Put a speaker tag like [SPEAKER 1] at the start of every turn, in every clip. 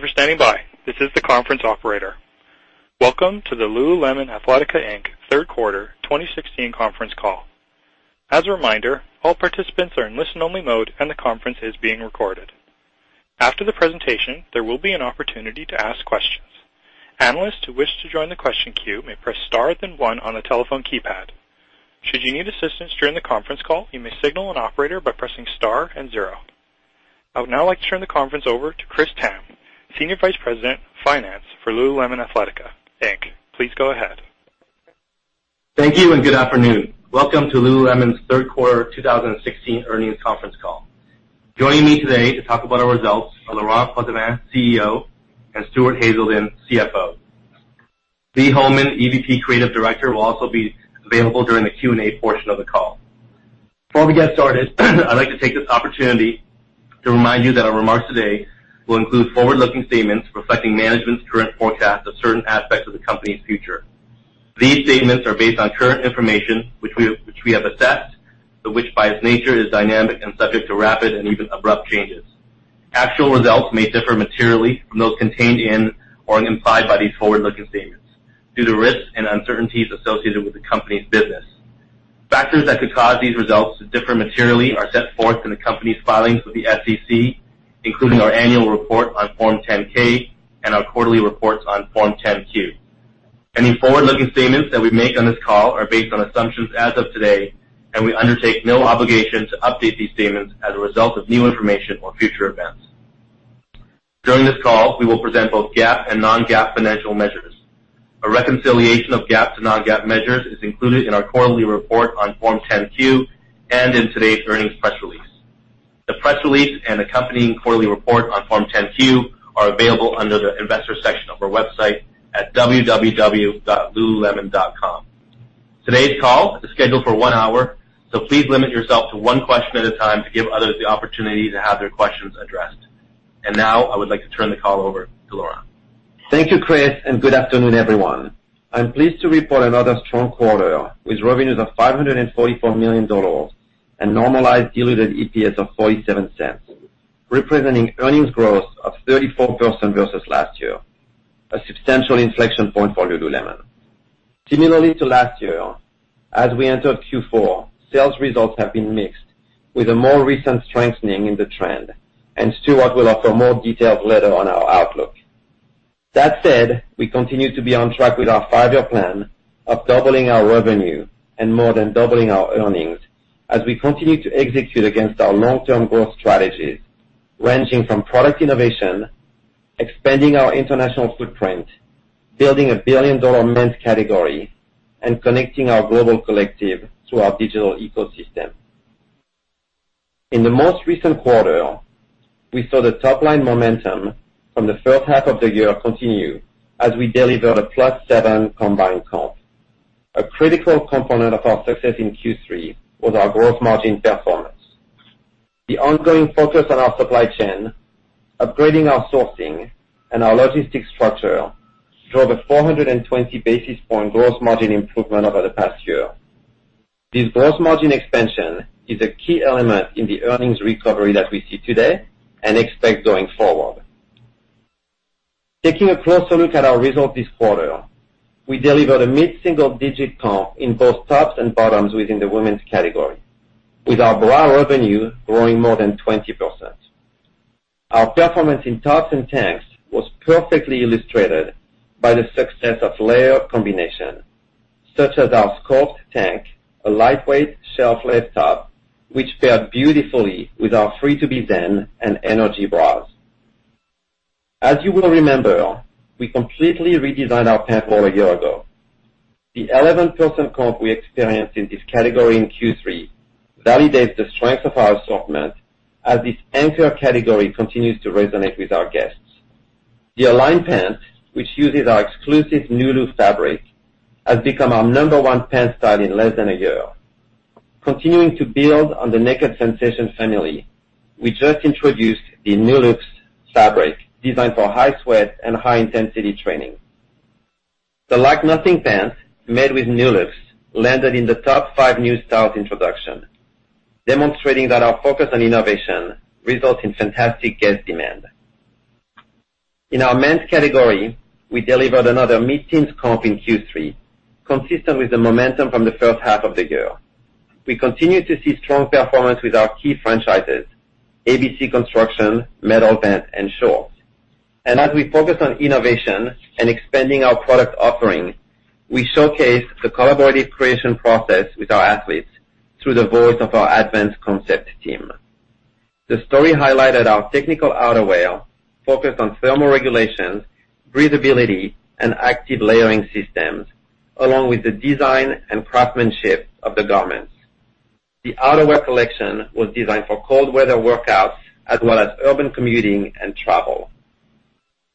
[SPEAKER 1] Thank you for standing by. This is the conference operator. Welcome to the Lululemon Athletica Inc. Third Quarter 2016 conference call. As a reminder, all participants are in listen only mode and the conference is being recorded. After the presentation, there will be an opportunity to ask questions. Analysts who wish to join the question queue may press star then one on a telephone keypad. Should you need assistance during the conference call, you may signal an operator by pressing star and zero. I would now like to turn the conference over to Chris Tham, Senior Vice President, Finance for Lululemon Athletica Inc. Please go ahead.
[SPEAKER 2] Thank you. Good afternoon. Welcome to Lululemon's Third Quarter 2016 earnings conference call. Joining me today to talk about our results are Laurent Potdevin, CEO, and Stuart Haselden, CFO. Lee Holman, EVP, Creative Director, will also be available during the Q&A portion of the call. Before we get started, I'd like to take this opportunity to remind you that our remarks today will include forward-looking statements reflecting management's current forecast of certain aspects of the company's future. These statements are based on current information which we have assessed, but which by its nature is dynamic and subject to rapid and even abrupt changes. Actual results may differ materially from those contained in or implied by these forward-looking statements due to risks and uncertainties associated with the company's business. Factors that could cause these results to differ materially are set forth in the company's filings with the SEC, including our annual report on Form 10-K and our quarterly reports on Form 10-Q. Any forward-looking statements that we make on this call are based on assumptions as of today. We undertake no obligation to update these statements as a result of new information or future events. During this call, we will present both GAAP and non-GAAP financial measures. A reconciliation of GAAP to non-GAAP measures is included in our quarterly report on Form 10-Q and in today's earnings press release. The press release and accompanying quarterly report on Form 10-Q are available under the investor section of our website at www.lululemon.com. Today's call is scheduled for one hour. Please limit yourself to one question at a time to give others the opportunity to have their questions addressed. Now I would like to turn the call over to Laurent.
[SPEAKER 3] Thank you, Chris, and good afternoon, everyone. I'm pleased to report another strong quarter with revenues of $544 million and normalized diluted EPS of $0.47, representing earnings growth of 34% versus last year, a substantial inflection point for Lululemon. Similarly to last year, as we entered Q4, sales results have been mixed, with a more recent strengthening in the trend. Stuart will offer more details later on our outlook. That said, we continue to be on track with our five-year plan of doubling our revenue and more than doubling our earnings as we continue to execute against our long-term growth strategies, ranging from product innovation, expanding our international footprint, building a billion-dollar men's category, and connecting our global collective to our digital ecosystem. In the most recent quarter, we saw the top-line momentum from the first half of the year continue as we delivered a plus seven combined comp. A critical component of our success in Q3 was our gross margin performance. The ongoing focus on our supply chain, upgrading our sourcing, and our logistics structure, drove a 420 basis point gross margin improvement over the past year. This gross margin expansion is a key element in the earnings recovery that we see today and expect going forward. Taking a closer look at our results this quarter, we delivered a mid-single-digit comp in both tops and bottoms within the women's category. With our bra revenue growing more than 20%. Our performance in tops and tanks was perfectly illustrated by the success of layer combinations, such as our Scored tank, a lightweight shelf-led top, which paired beautifully with our Free to Be Zen and Energy bras. As you will remember, we completely redesigned our pant wall a year ago. The 11% comp we experienced in this category in Q3 validates the strength of our assortment as this anchor category continues to resonate with our guests. The Align Pant, which uses our exclusive Nulu fabric, has become our number one pant style in less than a year. Continuing to build on the Naked Sensation family, we just introduced the Nulux fabric, designed for high sweat and high-intensity training. The Like Nothing pants, made with Nulux, landed in the top five new style introductions, demonstrating that our focus on innovation results in fantastic guest demand. In our men's category, we delivered another mid-teens comp in Q3, consistent with the momentum from the first half of the year. We continue to see strong performance with our key franchises, ABC, Surge, and Metal Vent. As we focus on innovation and expanding our product offering, we showcase the collaborative creation process with our athletes through the voice of our Advanced Concept team. The story highlighted our technical outerwear focused on thermal regulations, breathability, and active layering systems, along with the design and craftsmanship of the garments. The outerwear collection was designed for cold weather workouts as well as urban commuting and travel.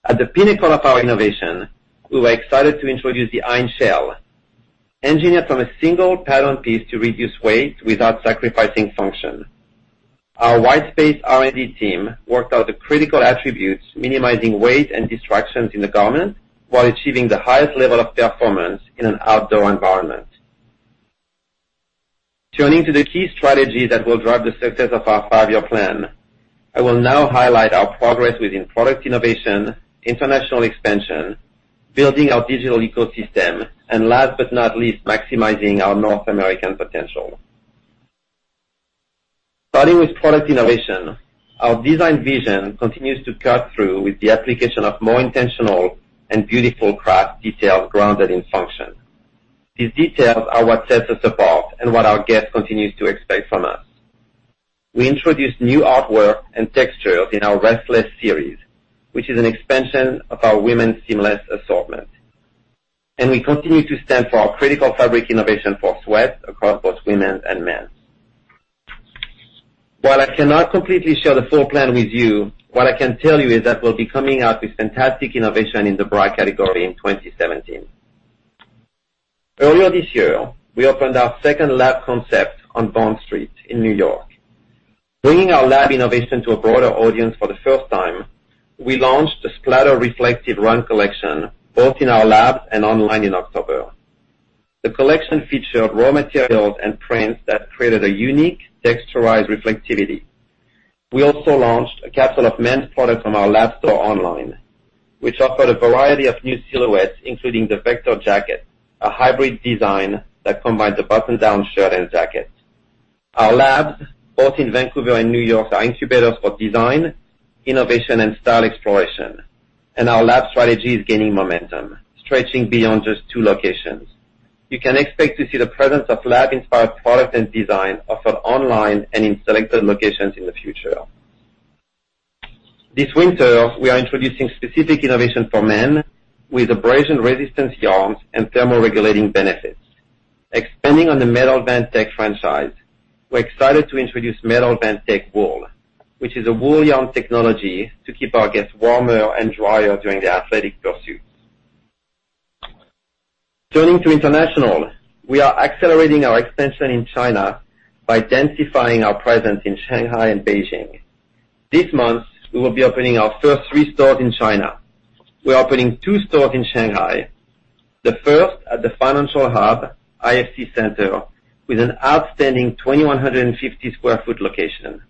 [SPEAKER 3] At the pinnacle of our innovation, we were excited to introduce the Einn Shell, engineered from a single pattern piece to reduce weight without sacrificing function. Our Whitespace R&D team worked out the critical attributes, minimizing weight and distractions in the garment while achieving the highest level of performance in an outdoor environment. Turning to the key strategy that will drive the success of our five-year plan, I will now highlight our progress within product innovation, international expansion, building our digital ecosystem, and last but not least, maximizing our North American potential. Starting with product innovation, our design vision continues to cut through with the application of more intentional and beautiful craft details grounded in function. These details are what sets us apart and what our guests continue to expect from us. We introduced new artwork and textures in our Restless series, which is an expansion of our women's seamless assortment. We continue to stand for our critical fabric innovation for sweat across both women and men. While I cannot completely share the full plan with you, what I can tell you is that we'll be coming out with fantastic innovation in the bra category in 2017. Earlier this year, we opened our second lab concept on Bond Street in New York. Bringing our lab innovation to a broader audience for the first time, we launched a splatter reflective run collection, both in our labs and online in October. The collection featured raw materials and prints that created a unique texturized reflectivity. We also launched a capsule of men's products on our lab store online, which offered a variety of new silhouettes, including the Vector jacket, a hybrid design that combines a button-down shirt and jacket. Our labs, both in Vancouver and New York, are incubators for design, innovation, and style exploration. Our lab strategy is gaining momentum, stretching beyond just two locations. You can expect to see the presence of lab-inspired product and design offered online and in selected locations in the future. This winter, we are introducing specific innovation for men with abrasion-resistant yarns and thermal regulating benefits. Expanding on the Metal Vent Tech franchise, we're excited to introduce Metal Vent Tech Wool, which is a wool yarn technology to keep our guests warmer and drier during their athletic pursuits. Turning to international, we are accelerating our expansion in China by densifying our presence in Shanghai and Beijing. This month, we will be opening our first three stores in China. We are opening two stores in Shanghai, the first at the financial hub, IFC Center, with an outstanding 2,150 sq ft location.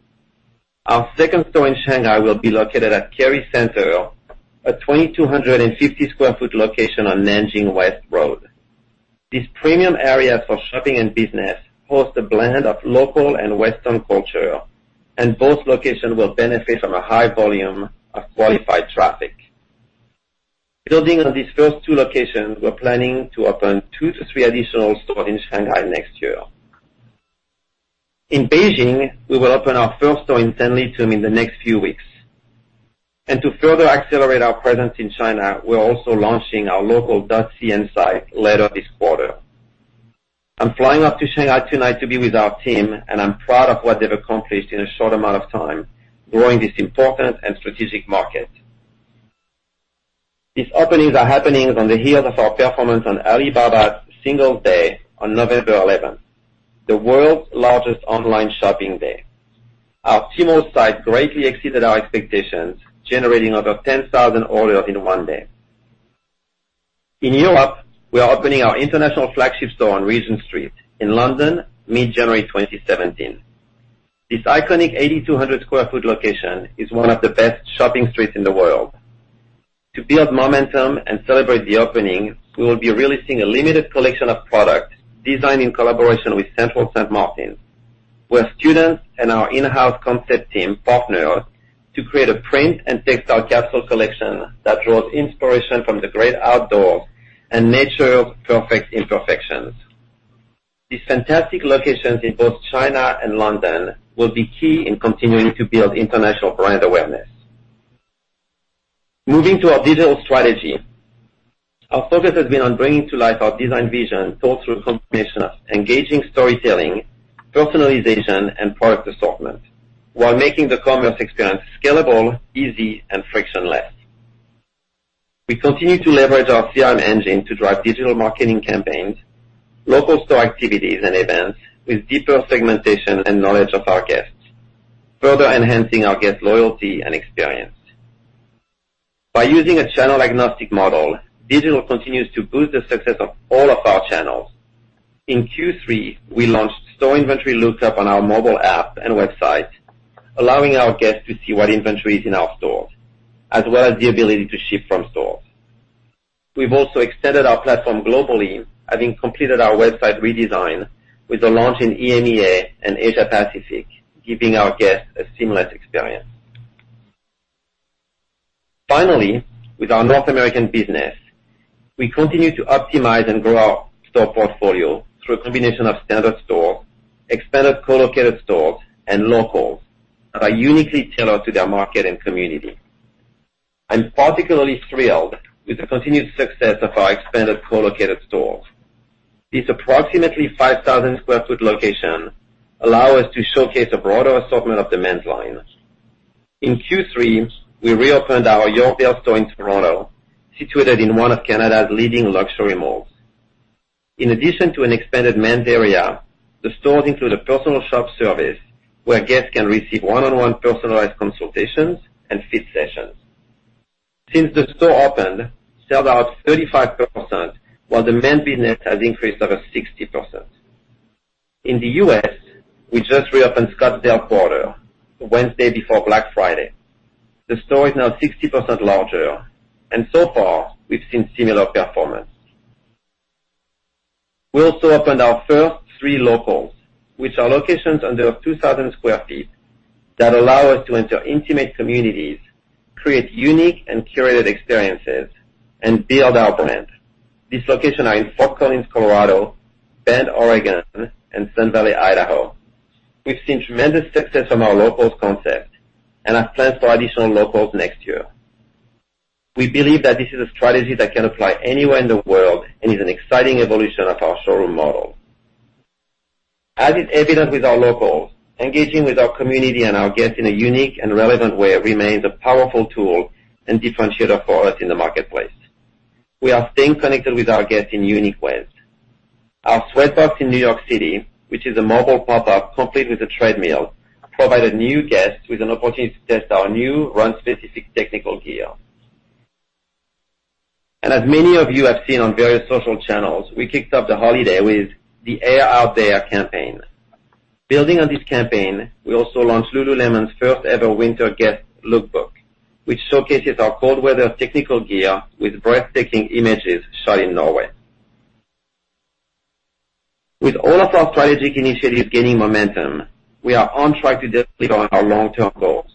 [SPEAKER 3] Our second store in Shanghai will be located at Kerry Center, a 2,250 sq ft location on Nanjing West Road. This premium area for shopping and business hosts a blend of local and Western culture. Both locations will benefit from a high volume of qualified traffic. Building on these first two locations, we're planning to open two to three additional stores in Shanghai next year. In Beijing, we will open our first store in Sanlitun in the next few weeks. To further accelerate our presence in China, we're also launching our local .cn site later this quarter. I'm flying off to Shanghai tonight to be with our team, and I'm proud of what they've accomplished in a short amount of time, growing this important and strategic market. These openings are happening on the heels of our performance on Alibaba's Singles Day on November 11th, the world's largest online shopping day. Our Tmall site greatly exceeded our expectations, generating over 10,000 orders in one day. In Europe, we are opening our international flagship store on Regent Street in London, mid-January 2017. This iconic 8,200 square foot location is one of the best shopping streets in the world. To build momentum and celebrate the opening, we will be releasing a limited collection of products designed in collaboration with Central Saint Martins, where students and our in-house concept team partnered to create a print and textile capsule collection that draws inspiration from the great outdoors and nature's perfect imperfections. These fantastic locations in both China and London will be key in continuing to build international brand awareness. Moving to our digital strategy, our focus has been on bringing to life our design vision through a combination of engaging storytelling, personalization, and product assortment while making the commerce experience scalable, easy, and frictionless. We continue to leverage our CRM engine to drive digital marketing campaigns, local store activities, and events with deeper segmentation and knowledge of our guests, further enhancing our guest loyalty and experience. By using a channel-agnostic model, digital continues to boost the success of all of our channels. In Q3, we launched store inventory lookup on our mobile app and website, allowing our guests to see what inventory is in our stores, as well as the ability to ship from stores. We've also extended our platform globally, having completed our website redesign with the launch in EMEA and Asia Pacific, giving our guests a seamless experience. Finally, with our North American business, we continue to optimize and grow our store portfolio through a combination of standard stores, expanded co-located stores, and locals that are uniquely tailored to their market and community. I'm particularly thrilled with the continued success of our expanded co-located stores. These approximately 5,000 square foot locations allow us to showcase a broader assortment of the men's line. In Q3, we reopened our Yorkdale store in Toronto, situated in one of Canada's leading luxury malls. In addition to an expanded men's area, the stores include a personal shop service where guests can receive one-on-one personalized consultations and fit sessions. Since the store opened, sell out 35%, while the men's business has increased over 60%. In the U.S., we just reopened Scottsdale Quarter, Wednesday before Black Friday. The store is now 60% larger, and so far, we've seen similar performance. We also opened our first three locals, which are locations under 2,000 square feet that allow us to enter intimate communities, create unique and curated experiences, and build our brand. These locations are in Fort Collins, Colorado, Bend, Oregon, and Sun Valley, Idaho. We've seen tremendous success from our locals concept and have plans for additional locals next year. We believe that this is a strategy that can apply anywhere in the world and is an exciting evolution of our showroom model. As is evident with our locals, engaging with our community and our guests in a unique and relevant way remains a powerful tool and differentiator for us in the marketplace. We are staying connected with our guests in unique ways. Our sweat box in New York City, which is a mobile pop-up complete with a treadmill, provided new guests with an opportunity to test our new run-specific technical gear. As many of you have seen on various social channels, we kicked off the holiday with The Air Out There campaign. Building on this campaign, we also launched Lululemon's first-ever winter guest lookbook, which showcases our cold weather technical gear with breathtaking images shot in Norway. With all of our strategic initiatives gaining momentum, we are on track to deliver on our long-term goals.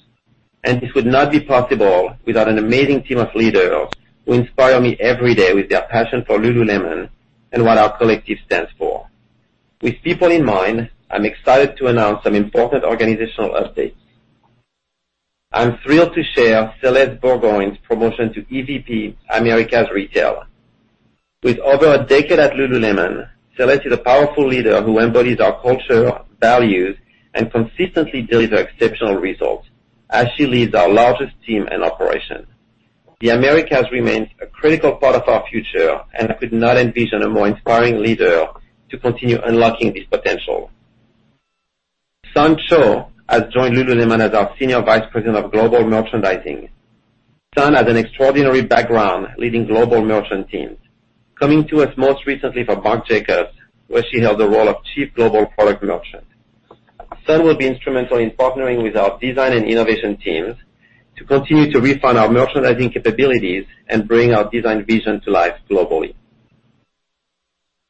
[SPEAKER 3] This would not be possible without an amazing team of leaders who inspire me every day with their passion for Lululemon and what our collective stands for. With people in mind, I'm excited to announce some important organizational updates. I'm thrilled to share Celeste Burgoyne's promotion to EVP Americas Retail. With over a decade at Lululemon, Celeste is a powerful leader who embodies our culture, values, and consistently delivers exceptional results as she leads our largest team and operation. The Americas remains a critical part of our future, and I could not envision a more inspiring leader to continue unlocking this potential. Sun Choe has joined Lululemon as our Senior Vice President of Global Merchandising. Sun has an extraordinary background leading global merchant teams, coming to us most recently from Marc Jacobs, where she held the role of Chief Global Product Merchant. Sun will be instrumental in partnering with our design and innovation teams to continue to refine our merchandising capabilities and bring our design vision to life globally.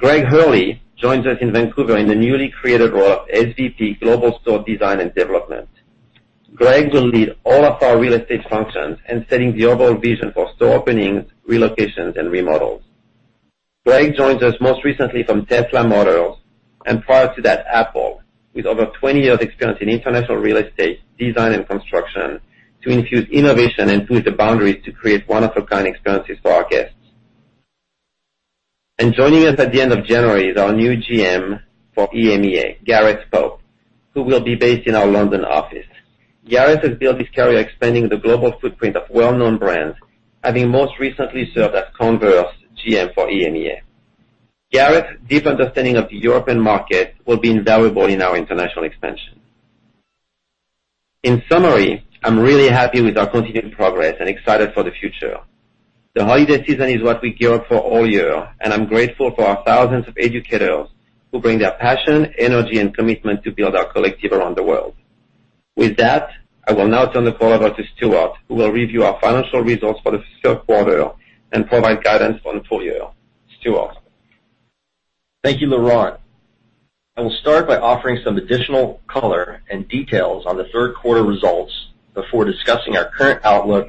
[SPEAKER 3] Gregg Hurley joins us in Vancouver in the newly created role of SVP Global Store Design and Development. Gregg will lead all of our real estate functions in setting the overall vision for store openings, relocations, and remodels. Gregg joins us most recently from Tesla Motors, and prior to that, Apple, with over 20 years experience in international real estate, design, and construction to infuse innovation and push the boundaries to create one-of-a-kind experiences for our guests. Joining us at the end of January is our new GM for EMEA, Gareth Pope, who will be based in our London office. Gareth has built his career expanding the global footprint of well-known brands, having most recently served as Converse GM for EMEA. Gareth's deep understanding of the European market will be invaluable in our international expansion. In summary, I'm really happy with our continued progress and excited for the future. The holiday season is what we gear up for all year, and I'm grateful for our thousands of educators who bring their passion, energy, and commitment to build our collective around the world. With that, I will now turn the call over to Stuart, who will review our financial results for the third quarter and provide guidance on the full year 2016. Stuart?
[SPEAKER 4] Thank you, Laurent. I will start by offering some additional color and details on the third quarter results before discussing our current outlook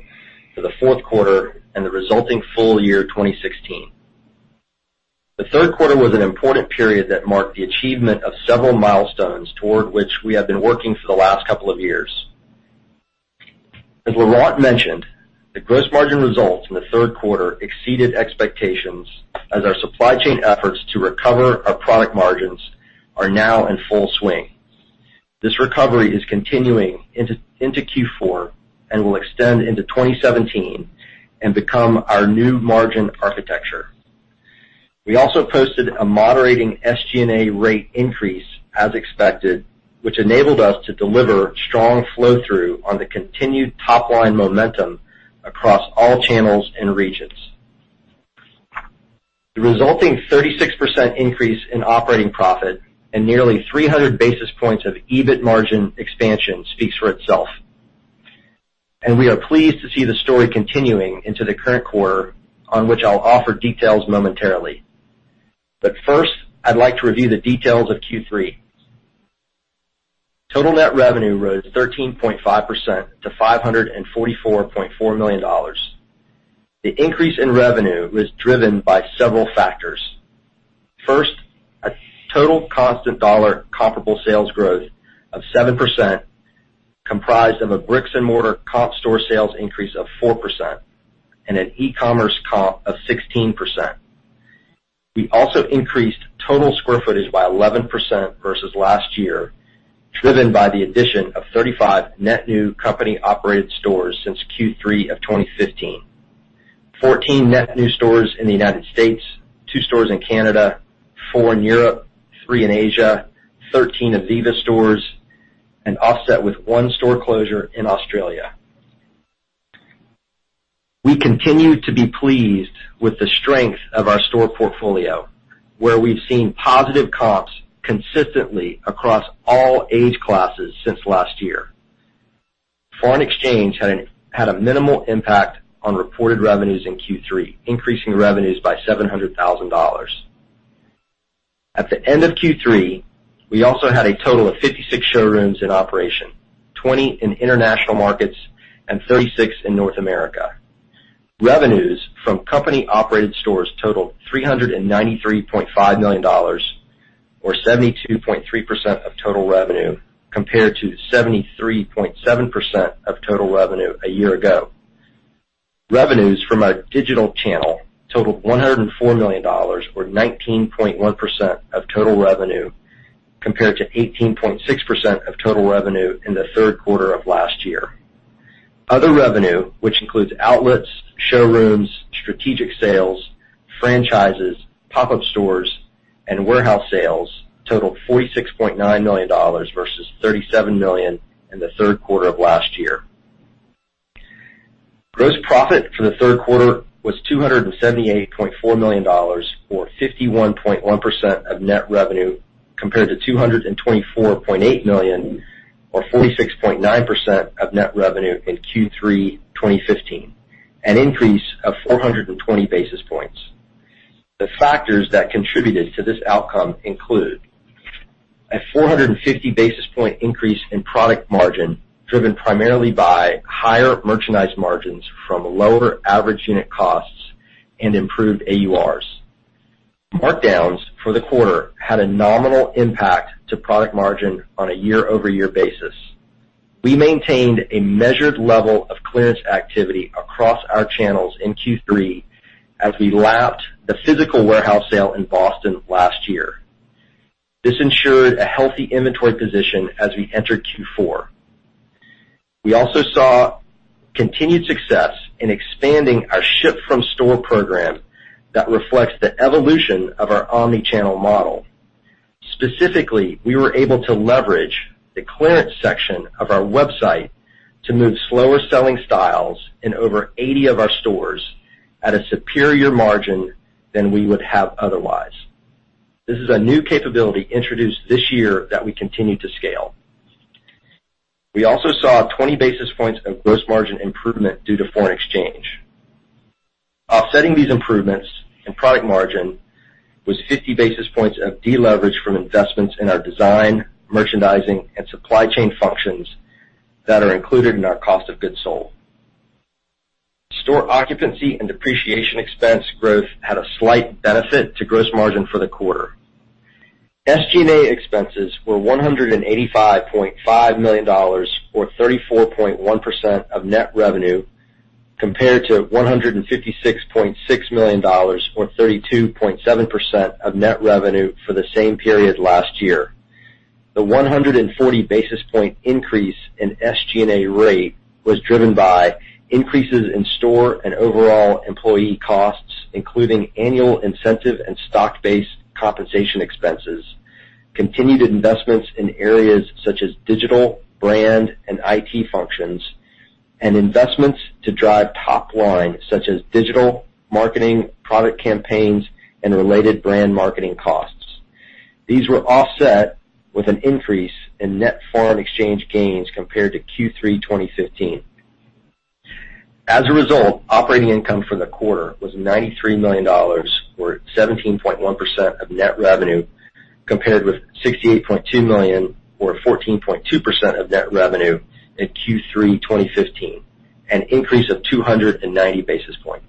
[SPEAKER 4] for the fourth quarter and the resulting full year 2016. The third quarter was an important period that marked the achievement of several milestones toward which we have been working for the last couple of years. As Laurent mentioned, the gross margin results in the third quarter exceeded expectations as our supply chain efforts to recover our product margins are now in full swing. This recovery is continuing into Q4 and will extend into 2017 and become our new margin architecture. We also posted a moderating SG&A rate increase as expected, which enabled us to deliver strong flow-through on the continued top-line momentum across all channels and regions. The resulting 36% increase in operating profit and nearly 300 basis points of EBIT margin expansion speaks for itself. We are pleased to see the story continuing into the current quarter, on which I'll offer details momentarily. First, I'd like to review the details of Q3. Total net revenue rose 13.5% to $544.4 million. The increase in revenue was driven by several factors. First, a total constant dollar comparable sales growth of 7%, comprised of a bricks and mortar comp store sales increase of 4% and an e-commerce comp of 16%. We also increased total square footage by 11% versus last year, driven by the addition of 35 net new company-operated stores since Q3 of 2015. 14 net new stores in the United States, two stores in Canada, four in Europe, three in Asia, 13 ivivva stores. Offset with one store closure in Australia. We continue to be pleased with the strength of our store portfolio, where we've seen positive comps consistently across all age classes since last year. Foreign exchange had a minimal impact on reported revenues in Q3, increasing revenues by $700,000. At the end of Q3, we also had a total of 56 showrooms in operation, 20 in international markets and 36 in North America. Revenues from company-operated stores totaled $393.5 million, or 72.3% of total revenue, compared to 73.7% of total revenue a year ago. Revenues from our digital channel totaled $104 million, or 19.1% of total revenue, compared to 18.6% of total revenue in the third quarter of last year. Other revenue, which includes outlets, showrooms, strategic sales, franchises, pop-up stores, and warehouse sales totaled $46.9 million versus $37 million in the third quarter of last year. Gross profit for the third quarter was $278.4 million, or 51.1% of net revenue, compared to $224.8 million, or 46.9% of net revenue in Q3 2015, an increase of 420 basis points. The factors that contributed to this outcome include a 450 basis point increase in product margin, driven primarily by higher merchandise margins from lower average unit costs and improved AURs. Markdowns for the quarter had a nominal impact to product margin on a year-over-year basis. We maintained a measured level of clearance activity across our channels in Q3 as we lapped the physical warehouse sale in Boston last year. This ensured a healthy inventory position as we enter Q4. We also saw continued success in expanding our ship-from-store program that reflects the evolution of our omni-channel model. Specifically, we were able to leverage the clearance section of our website to move slower-selling styles in over 80 of our stores at a superior margin than we would have otherwise. This is a new capability introduced this year that we continue to scale. We also saw 20 basis points of gross margin improvement due to foreign exchange. Offsetting these improvements in product margin was 50 basis points of deleverage from investments in our design, merchandising, and supply chain functions that are included in our cost of goods sold. Store occupancy and depreciation expense growth had a slight benefit to gross margin for the quarter. SG&A expenses were $185.5 million, or 34.1% of net revenue, compared to $156.6 million, or 32.7% of net revenue for the same period last year. The 140 basis point increase in SG&A rate was driven by increases in store and overall employee costs, including annual incentive and stock-based compensation expenses, continued investments in areas such as digital, brand, and IT functions, and investments to drive top line, such as digital, marketing, product campaigns, and related brand marketing costs. These were offset with an increase in net foreign exchange gains compared to Q3 2015. As a result, operating income for the quarter was $93 million, or 17.1% of net revenue, compared with $68.2 million or 14.2% of net revenue in Q3 2015, an increase of 290 basis points.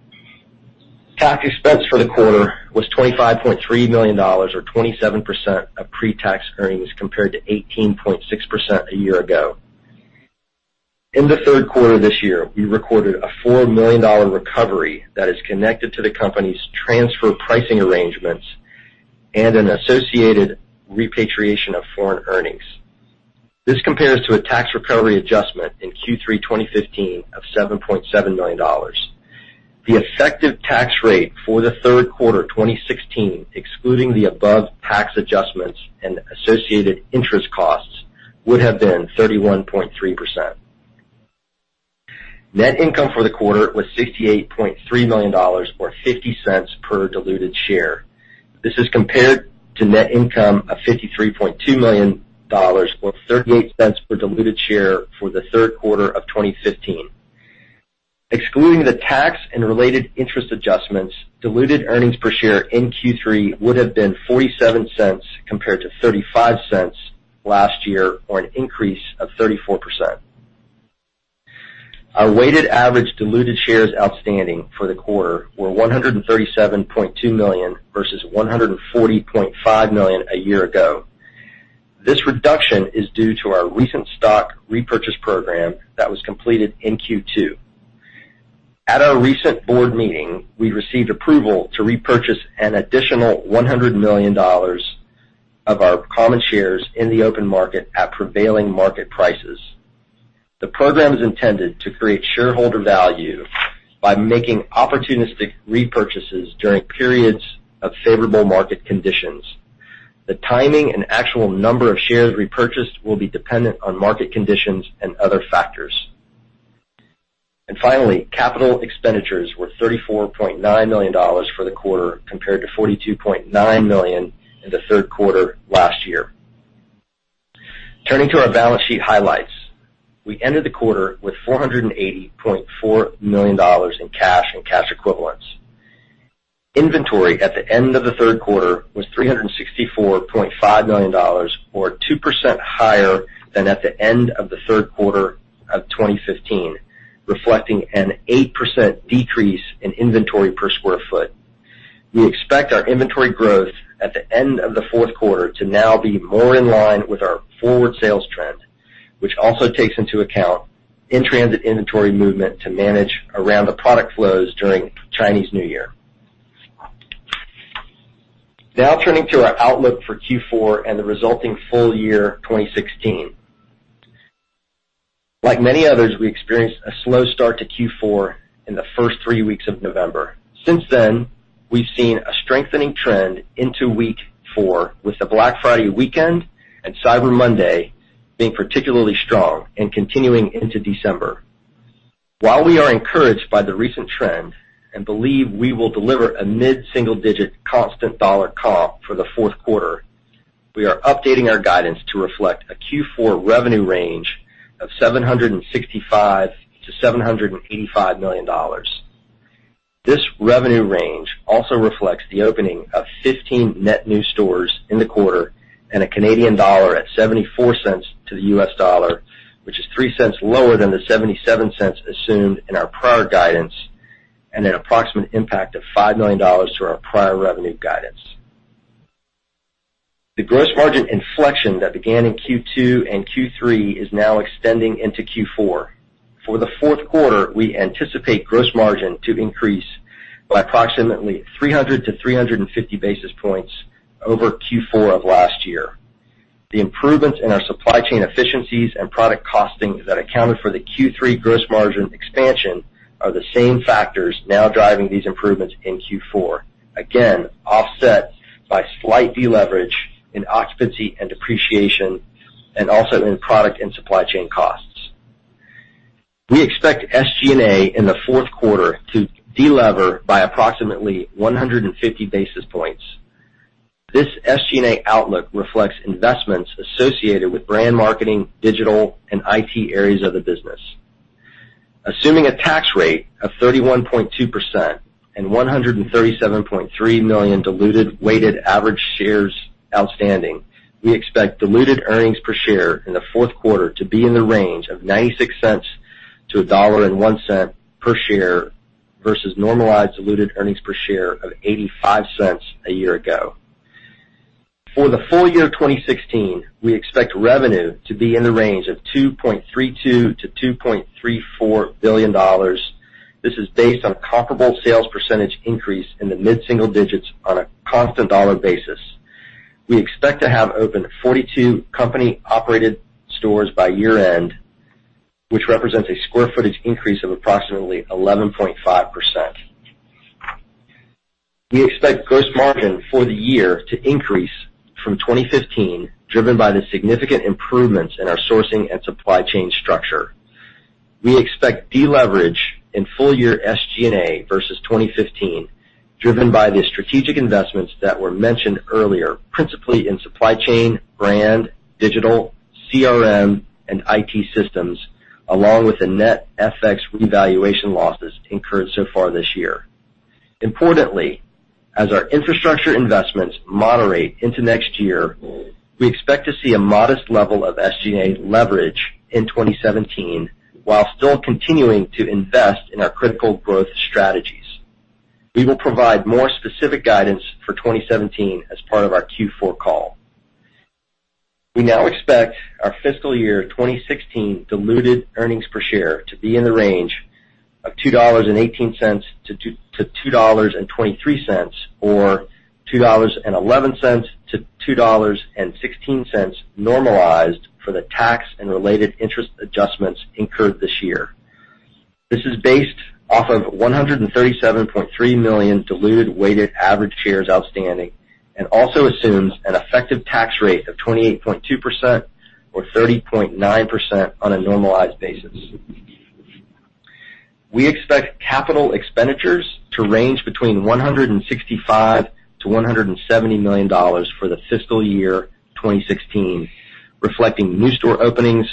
[SPEAKER 4] Tax expense for the quarter was $25.3 million or 27% of pre-tax earnings, compared to 18.6% a year ago. In the third quarter this year, we recorded a $4 million recovery that is connected to the company's transfer pricing arrangements and an associated repatriation of foreign earnings. This compares to a tax recovery adjustment in Q3 2015 of $7.7 million. The effective tax rate for the third quarter 2016, excluding the above tax adjustments and associated interest costs, would have been 31.3%. Net income for the quarter was $68.3 million, or $0.50 per diluted share. This is compared to net income of $53.2 million or $0.38 per diluted share for the third quarter of 2015. Excluding the tax and related interest adjustments, diluted earnings per share in Q3 would have been $0.47 compared to $0.35 last year, or an increase of 34%. Our weighted average diluted shares outstanding for the quarter were 137.2 million versus 140.5 million a year ago. This reduction is due to our recent stock repurchase program that was completed in Q2. At our recent board meeting, we received approval to repurchase an additional $100 million of our common shares in the open market at prevailing market prices. The program is intended to create shareholder value by making opportunistic repurchases during periods of favorable market conditions. The timing and actual number of shares repurchased will be dependent on market conditions and other factors. Finally, capital expenditures were $34.9 million for the quarter, compared to $42.9 million in the third quarter last year. Turning to our balance sheet highlights. We ended the quarter with $480.4 million in cash and cash equivalents. Inventory at the end of the third quarter was $364.5 million, or 2% higher than at the end of the third quarter of 2015, reflecting an 8% decrease in inventory per square foot. We expect our inventory growth at the end of the fourth quarter to now be more in line with our forward sales trend, which also takes into account in-transit inventory movement to manage around the product flows during Chinese New Year. Turning to our outlook for Q4 and the resulting full year 2016. Like many others, we experienced a slow start to Q4 in the first three weeks of November. Since then, we've seen a strengthening trend into week four, with the Black Friday weekend and Cyber Monday being particularly strong and continuing into December. While we are encouraged by the recent trend and believe we will deliver a mid-single-digit constant dollar comp for the fourth quarter, we are updating our guidance to reflect a Q4 revenue range of $765 million-$785 million. This revenue range also reflects the opening of 15 net new stores in the quarter and a Canadian dollar at $0.74 to the US dollar, which is $0.03 lower than the $0.77 assumed in our prior guidance, and an approximate impact of $5 million to our prior revenue guidance. The gross margin inflection that began in Q2 and Q3 is now extending into Q4. For the fourth quarter, we anticipate gross margin to increase by approximately 300-350 basis points over Q4 of last year. The improvements in our supply chain efficiencies and product costing that accounted for the Q3 gross margin expansion are the same factors now driving these improvements in Q4, again, offset by slight deleverage in occupancy and depreciation, and also in product and supply chain costs. We expect SG&A in the fourth quarter to delever by approximately 150 basis points. This SG&A outlook reflects investments associated with brand marketing, digital, and IT areas of the business. Assuming a tax rate of 31.2% and 137.3 million diluted weighted average shares outstanding, we expect diluted earnings per share in the fourth quarter to be in the range of $0.96-$1.01 per share versus normalized diluted earnings per share of $0.85 a year ago. For the full year 2016, we expect revenue to be in the range of $2.32 billion-$2.34 billion. This is based on comparable sales percentage increase in the mid-single digits on a constant dollar basis. We expect to have opened 42 company-operated stores by year-end, which represents a square footage increase of approximately 11.5%. We expect gross margin for the year to increase from 2015, driven by the significant improvements in our sourcing and supply chain structure. We expect deleverage in full-year SG&A versus 2015, driven by the strategic investments that were mentioned earlier, principally in supply chain, brand, digital, CRM, and IT systems, along with the net FX revaluation losses incurred so far this year. Importantly, as our infrastructure investments moderate into next year, we expect to see a modest level of SG&A leverage in 2017, while still continuing to invest in our critical growth strategies. We will provide more specific guidance for 2017 as part of our Q4 call. We now expect our fiscal year 2016 diluted earnings per share to be in the range of $2.18-$2.23, or $2.11-$2.16 normalized for the tax and related interest adjustments incurred this year. This is based off of 137.3 million diluted weighted average shares outstanding and also assumes an effective tax rate of 28.2%, or 30.9% on a normalized basis. We expect capital expenditures to range between $165 million-$170 million for the fiscal year 2016, reflecting new store openings,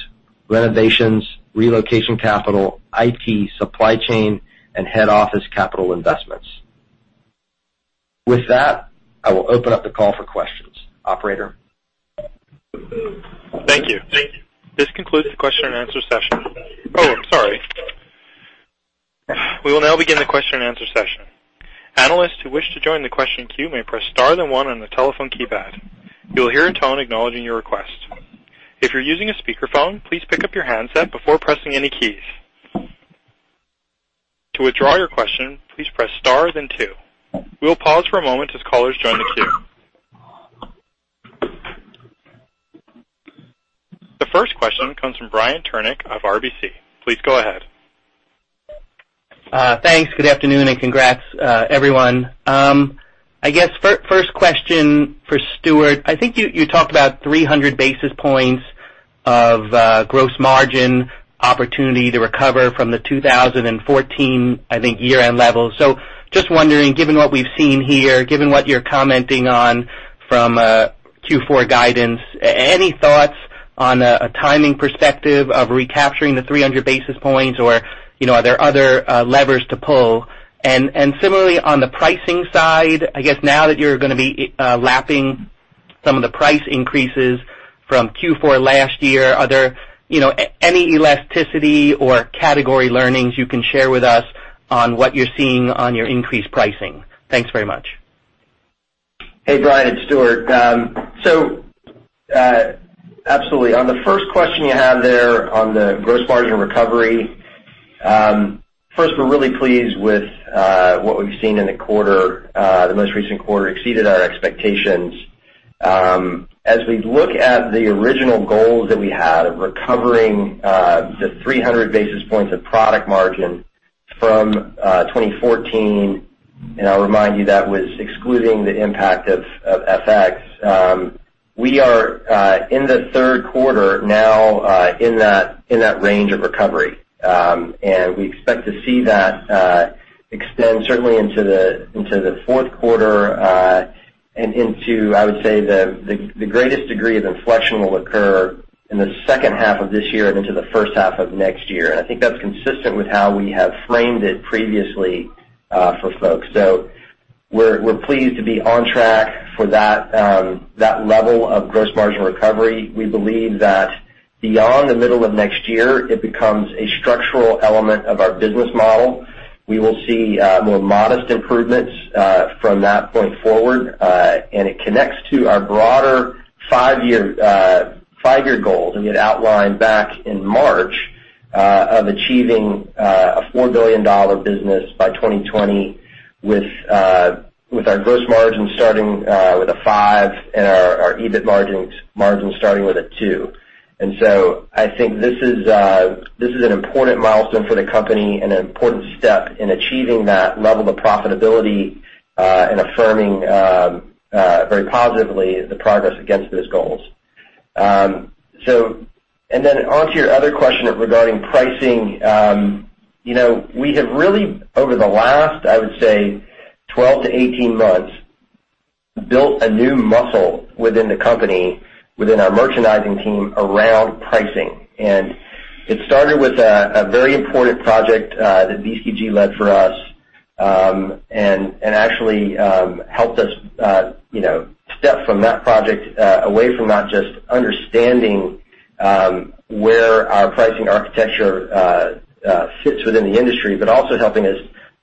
[SPEAKER 4] renovations, relocation capital, IT, supply chain, and head office capital investments. With that, I will open up the call for questions. Operator?
[SPEAKER 1] Thank you. This concludes the question and answer session. Oh, sorry. We will now begin the question and answer session. Analysts who wish to join the question queue may press star then one on the telephone keypad. You will hear a tone acknowledging your request. If you're using a speakerphone, please pick up your handset before pressing any keys. To withdraw your question, please press star then two. We'll pause for a moment as callers join the queue. The first question comes from Brian Tunick of RBC. Please go ahead.
[SPEAKER 5] Thanks. Good afternoon, and congrats everyone. I guess first question for Stuart. I think you talked about 300 basis points of gross margin opportunity to recover from the 2014, I think, year-end level. Just wondering, given what we've seen here, given what you're commenting on from Q4 guidance, any thoughts on a timing perspective of recapturing the 300 basis points or are there other levers to pull? Similarly, on the pricing side, I guess now that you're going to be lapping some of the price increases from Q4 last year, are there any elasticity or category learnings you can share with us on what you're seeing on your increased pricing? Thanks very much.
[SPEAKER 4] Hey, Brian. It's Stuart. Absolutely. On the first question you have there on the gross margin recovery. First, we're really pleased with what we've seen in the quarter. The most recent quarter exceeded our expectations. As we look at the original goals that we had of recovering the 300 basis points of product margin from 2014, and I'll remind you that was excluding the impact of FX, we are in the third quarter now in that range of recovery. We expect to see that extend certainly into the fourth quarter and into, I would say, the greatest degree of inflection will occur in the second half of this year and into the first half of next year. I think that's consistent with how we have framed it previously for folks. We're pleased to be on track for that level of gross margin recovery. We believe that beyond the middle of next year, it becomes a structural element of our business model. We will see more modest improvements from that point forward. It connects to our broader five-year goal that we had outlined back in March of achieving a $4 billion business by 2020 with our gross margin starting with a five and our EBIT margin starting with a two. I think this is an important milestone for the company and an important step in achieving that level of profitability and affirming very positively the progress against those goals. Then onto your other question regarding pricing. We have really, over the last, I would say 12 to 18 months, built a new muscle within the company, within our merchandising team around pricing. It started with a very important project that BCG led for us and actually helped us step from that project away from not just understanding where our pricing architecture sits within the industry, but also helping us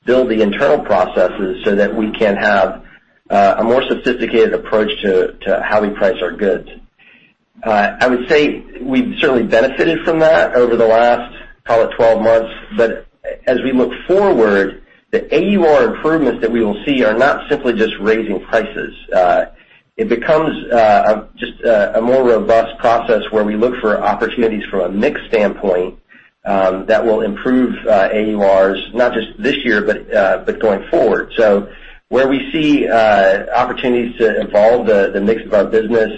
[SPEAKER 4] build the internal processes so that we can have a more sophisticated approach to how we price our goods. I would say we've certainly benefited from that over the last, call it, 12 months. As we look forward, the AUR improvements that we will see are not simply just raising prices. It becomes just a more robust process where we look for opportunities from a mix standpoint that will improve AURs, not just this year, but going forward. Where we see opportunities to evolve the mix of our business,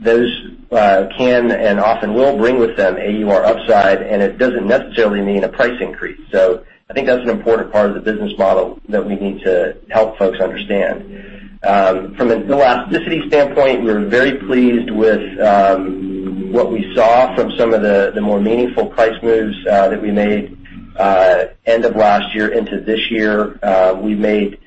[SPEAKER 4] those can and often will bring with them AUR upside, and it doesn't necessarily mean a price increase. I think that's an important part of the business model that we need to help folks understand. From an elasticity standpoint, we were very pleased with what we saw from some of the more meaningful price moves that we made end of last year into this year. We made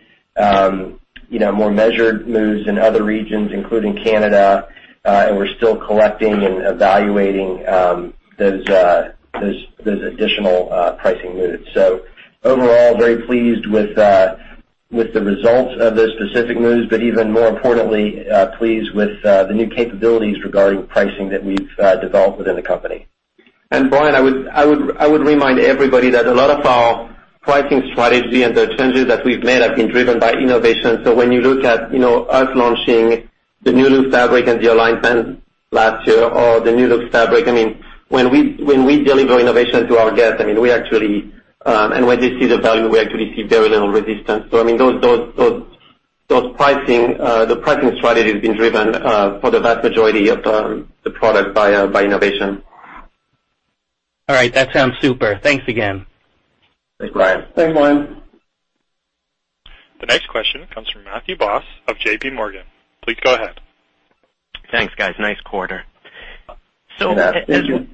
[SPEAKER 4] more measured moves in other regions, including Canada, and we're still collecting and evaluating those additional pricing moves. Overall, very pleased with the results of those specific moves, but even more importantly, pleased with the new capabilities regarding pricing that we've developed within the company.
[SPEAKER 3] Brian, I would remind everybody that a lot of our pricing strategy and the changes that we've made have been driven by innovation. When you look at us launching the Nulu fabric and the Align pants last year or the Nulux fabric, when we deliver innovation to our guests, and when they see the value, we actually see very little resistance. The pricing strategy has been driven for the vast majority of the product by innovation.
[SPEAKER 5] All right. That sounds super. Thanks again.
[SPEAKER 4] Thanks, Brian.
[SPEAKER 3] Thanks, Brian.
[SPEAKER 1] The next question comes from Matthew Boss of JPMorgan. Please go ahead.
[SPEAKER 6] Thanks, guys. Nice quarter.
[SPEAKER 3] Yes, thank you.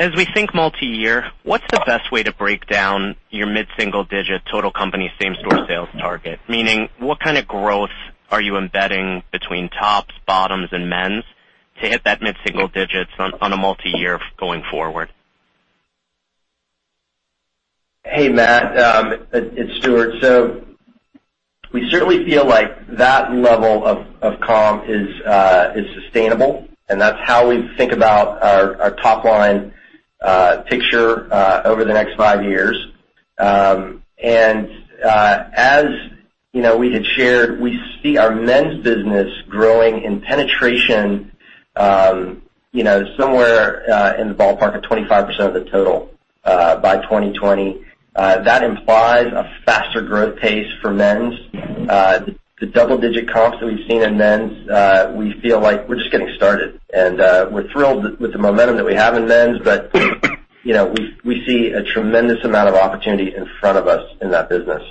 [SPEAKER 6] As we think multi-year, what's the best way to break down your mid-single-digit total company same-store sales target? Meaning, what kind of growth are you embedding between tops, bottoms, and men's to hit that mid-single digits on a multi-year going forward?
[SPEAKER 4] Hey, Matt. It's Stuart. We certainly feel like that level of comp is sustainable, and that's how we think about our top-line picture over the next 5 years. As we had shared, we see our men's business growing in penetration somewhere in the ballpark of 25% of the total by 2020. That implies a faster growth pace for men's. The double-digit comps that we've seen in men's, we feel like we're just getting started. We're thrilled with the momentum that we have in men's, but we see a tremendous amount of opportunity in front of us in that business.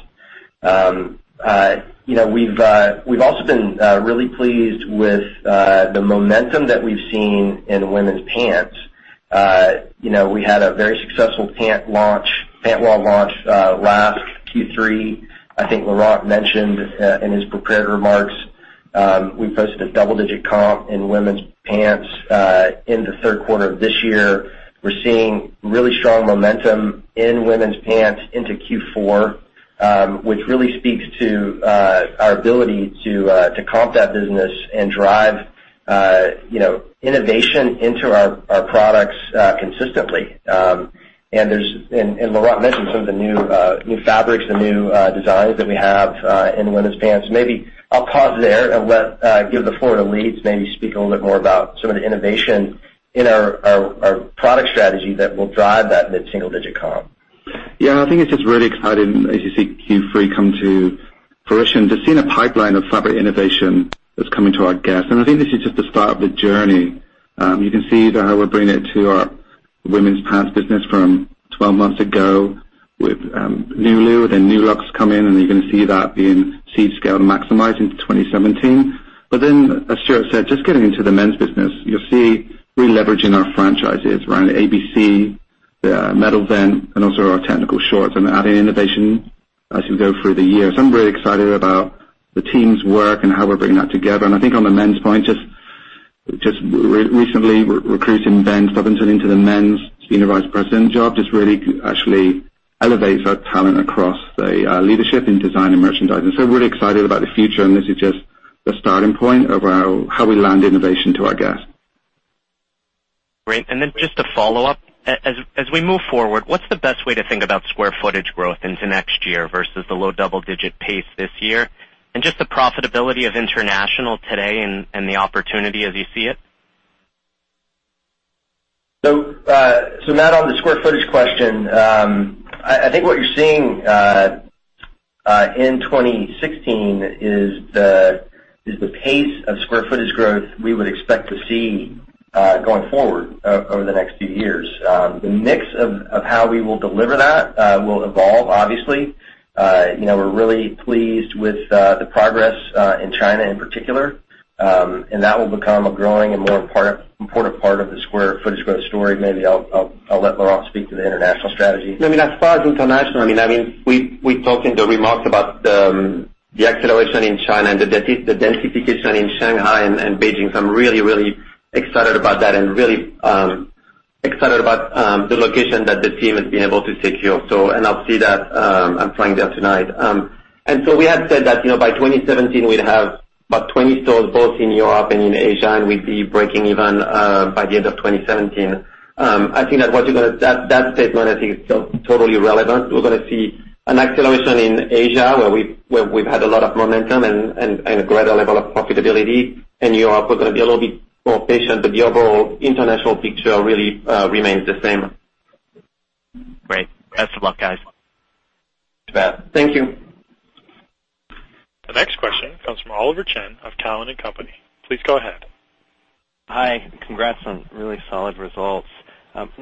[SPEAKER 4] We've also been really pleased with the momentum that we've seen in women's pants. We had a very successful pant wall launch last Q3. I think Laurent mentioned in his prepared remarks, we posted a double-digit comp in women's pants in the third quarter of this year. We're seeing really strong momentum in women's pants into Q4, which really speaks to our ability to comp that business and drive innovation into our products consistently. Laurent mentioned some of the new fabrics, the new designs that we have in women's pants. Maybe I'll pause there and give the floor to Lee to maybe speak a little bit more about some of the innovation in our product strategy that will drive that mid-single-digit comp.
[SPEAKER 7] Yeah, I think it's just really exciting as you see Q3 come to fruition. Just seeing a pipeline of fabric innovation that's coming to our guests, and I think this is just the start of the journey. You can see that how we're bringing it to our women's pants business from 12 months ago with Nulu, then Nulux come in, and you're going to see that being seed scaled and maximized into 2017. Then, as Stuart said, just getting into the men's business. You'll see really leveraging our franchises around ABC, Metal Vent, and also our technical shorts and adding innovation as we go through the year. I'm really excited about the team's work and how we're bringing that together. I think on the men's point, just recently recruiting Ben Stubbington into the men's Senior Vice President job just really actually elevates our talent across the leadership in design and merchandising. We're really excited about the future, and this is just the starting point about how we land innovation to our guests.
[SPEAKER 6] Great. Then just a follow-up. As we move forward, what's the best way to think about square footage growth into next year versus the low double-digit pace this year? Just the profitability of international today and the opportunity as you see it.
[SPEAKER 4] Matt, on the square footage question. I think what you're seeing in 2016 is the pace of square footage growth we would expect to see going forward over the next few years. The mix of how we will deliver that will evolve, obviously. We're really pleased with the progress in China in particular. That will become a growing and more important part of the square footage growth story. Maybe I'll let Laurent speak to the international strategy.
[SPEAKER 3] As far as international, we talked in the remarks about the acceleration in China and the densification in Shanghai and Beijing. I'm really excited about that and really excited about the location that the team has been able to secure. I'll see that. I'm flying there tonight. We had said that by 2017, we'd have about 20 stores both in Europe and in Asia, and we'd be breaking even by the end of 2017. I think that statement is still totally relevant. We're going to see an acceleration in Asia, where we've had a lot of momentum and a greater level of profitability. In Europe, we're going to be a little bit more patient, but the overall international picture really remains the same.
[SPEAKER 6] Great. Best of luck, guys.
[SPEAKER 4] You bet.
[SPEAKER 7] Thank you.
[SPEAKER 1] The next question comes from Oliver Chen of Cowen and Company. Please go ahead.
[SPEAKER 8] Hi. Congrats on really solid results.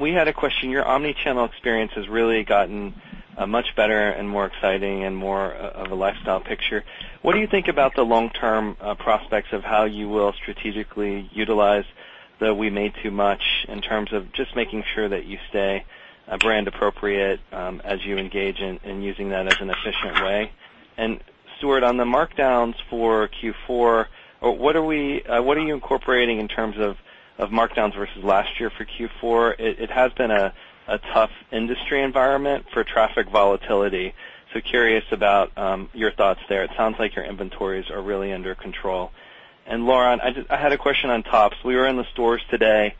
[SPEAKER 8] We had a question. Your omni-channel experience has really gotten much better and more exciting and more of a lifestyle picture. What do you think about the long-term prospects of how you will strategically utilize the We Made Too Much in terms of just making sure that you stay brand appropriate as you engage in using that as an efficient way? Stuart, on the markdowns for Q4, what are you incorporating in terms of markdowns versus last year for Q4? It has been a tough industry environment for traffic volatility. Curious about your thoughts there. It sounds like your inventories are really under control. Laurent, I had a question on tops. We were in the stores today,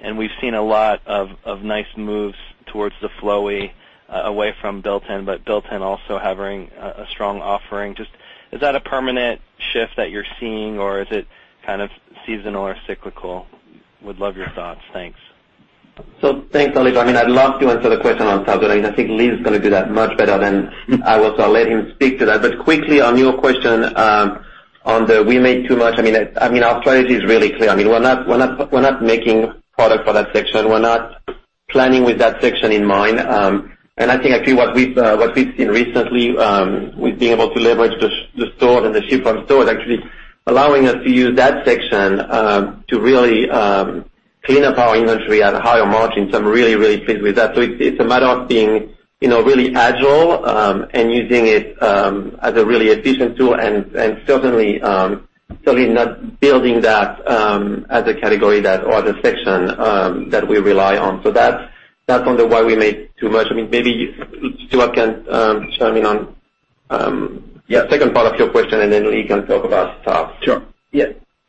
[SPEAKER 8] and we've seen a lot of nice moves towards the flowy, away from built-in, but built-in also having a strong offering. Is that a permanent shift that you're seeing, or is it kind of seasonal or cyclical? Would love your thoughts. Thanks.
[SPEAKER 3] Thanks, Oliver. I'd love to answer the question on top, but I think Lee is going to do that much better than I will, so I'll let him speak to that. Quickly on your question on the We Made Too Much. Our strategy is really clear. We're not making product for that section. We're not planning with that section in mind. I think actually what we've seen recently with being able to leverage the stores and the Ship from Store actually allowing us to use that section to really clean up our inventory at a higher margin. I'm really, really pleased with that. It's a matter of being really agile and using it as a really efficient tool and certainly. Certainly not building that as a category or the section that we rely on. That's on the We Made Too Much. Maybe Stuart can chime in on.
[SPEAKER 4] Yeah.
[SPEAKER 3] Second part of your question, Lee can talk about tops.
[SPEAKER 4] Sure.